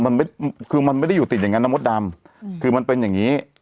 มันไม่คือมันไม่ได้อยู่ติดอย่างงั้นนะมดดำคือมันเป็นอย่างงี้